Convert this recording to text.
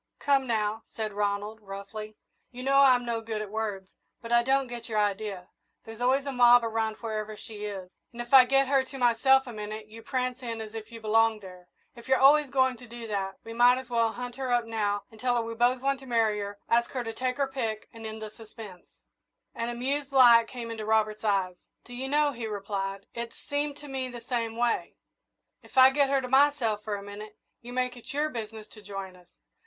"Come now," said Ronald, roughly; "you know I'm no good at words, but I don't get your idea. There's always a mob around wherever she is, and if I get her to myself a minute you prance in as if you belonged there. If you're always going to do that, we might as well hunt her up now, tell her we both want to marry her, ask her to take her pick, and end the suspense." An amused light came into Robert's eyes. "Do you know," he replied, "it's seemed to me the same way. If I get her to myself for a minute, you make it your business to join us.